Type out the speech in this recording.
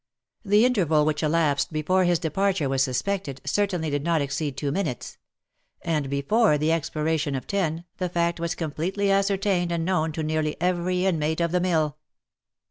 The interval which elapsed before his departure was suspected, cer tainly did not exceed two minutes ; and before the expiration of ten, 288 THE LIFE AND ADVENTURES the fact was completely ascertained and known to nearly every inmate of the mill.